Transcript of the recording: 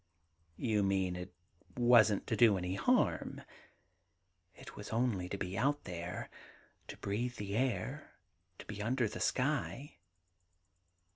* You mean, it wasn't to do any harm ?'* It was only to be out there — to breathe the air, to be under the sky.'